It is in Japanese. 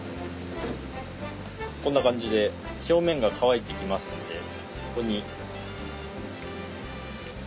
こんな感じで表面が乾いてきますんでここに。